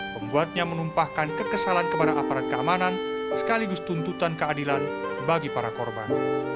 pembuatnya menumpahkan kekesalan kepada aparat keamanan sekaligus tuntutan keadilan bagi para korban